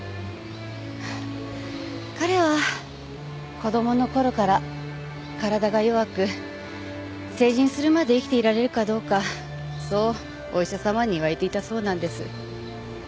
彼は子供の頃から体が弱く成人するまで生きていられるかどうかそうお医者様に言われていたそうなんです。